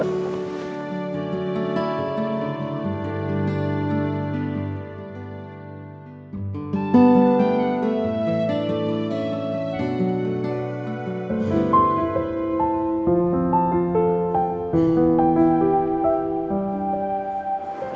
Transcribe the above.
terima kasih pak